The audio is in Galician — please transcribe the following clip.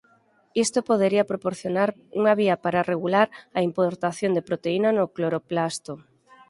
Isto podería proporcionar unha vía para regular a importación de proteína no cloroplasto.